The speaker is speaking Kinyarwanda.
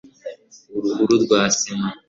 uruhu rwa sima